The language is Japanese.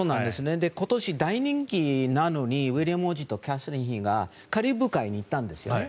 今年、大人気なのにウィリアム王子とキャサリン妃がカリブ海に行ったんですね。